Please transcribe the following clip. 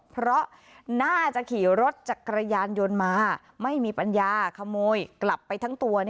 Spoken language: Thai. เพราะน่าจะขี่รถจักรยานยนต์มาไม่มีปัญญาขโมยกลับไปทั้งตัว